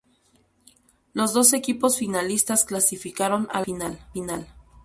Los dos equipos finalistas clasificaron a la ronda final.